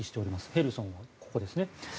ヘルソンはここですね。